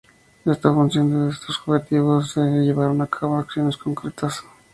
En función de estos objetivos se llevaron a cabo acciones concretas.